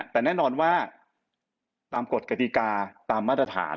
แต่แน่นอนว่าตามกฎกติกาตามมาตรฐาน